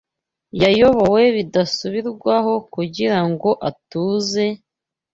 Yayobowe bidasubirwaho Kugira ngo atuze: